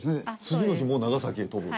次の日もう長崎へ飛ぶ。